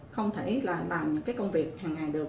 không thể làm những công việc hàng ngày được